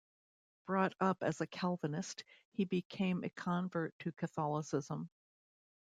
Brought up as a Calvinist, he became a convert to Catholicism.